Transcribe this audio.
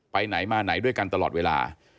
ไปไหนมาไหนด้วยกันตลอดเวลา